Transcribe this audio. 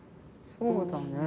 そうだね。